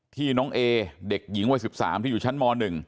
ที่น้องเอเด็กหญิงวัย๑๓ที่อยู่ชั้นม๑